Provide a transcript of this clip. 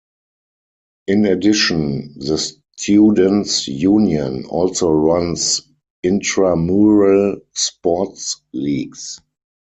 In addition, the Students' Union also runs intramural sports leagues.